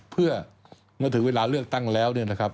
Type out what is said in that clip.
เพื่อถึงเวลาเลือกตั้งแล้ว